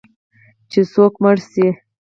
چې څوک مړ شي